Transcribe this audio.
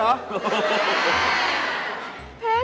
ใช่